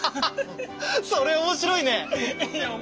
それ面白いね！